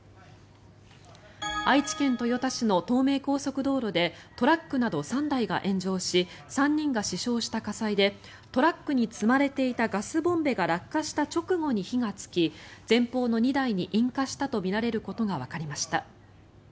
愛知県豊田市の東名高速道路でトラックなど３台が炎上し３人が死傷した火災でトラックに積まれていたガスボンベが落下した直後に火がつき前方の２台に引火したとみられることがわかりました。